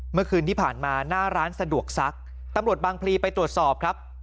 เมื่อคืนที่ผ่านมาหน้าร้านสะดวกซักตำรวจบางพลีไปตรวจสอบครับ